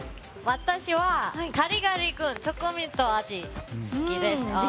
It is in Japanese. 私はガリガリ君チョコミント味が好きです。